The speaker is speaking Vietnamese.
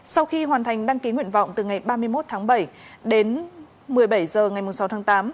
sau khi hoàn thành đăng ký nguyện vọng từ ngày ba mươi một tháng bảy đến một mươi bảy h ngày sáu tháng tám